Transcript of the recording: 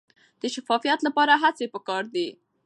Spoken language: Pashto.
د شفافیت لپاره هڅې پکار دي.